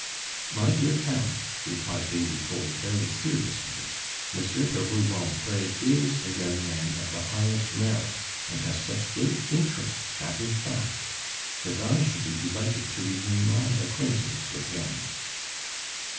"My dear Count," replied des Lupeaulx very seriously, "Monsieur de Rubempre is a young man of the highest merit, and has such good interest at his back that I should be delighted to renew my acquaintance with him."